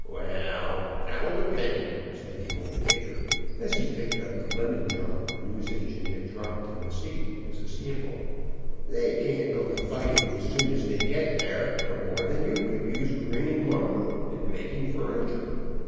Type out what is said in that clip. "Well, that will depend," said the Old Kicker, as he picked up the lemon drop the news agent had dropped in the seat as a sample. "They can't go to fighting as soon as they get there, no more than you could use green lumber in making furniture.